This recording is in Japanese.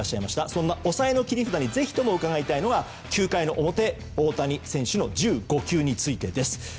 そんな抑えの切り札にぜひ伺いたいのが９回の表、大谷選手の１５球についてです。